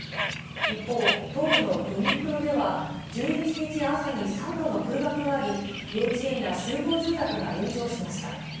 一方、東部のドニプロでは、１１日朝に３度の空爆があり、幼稚園や集合住宅が炎上しました。